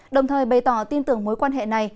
đồng thời bày tỏ tin tưởng mối quan hệ này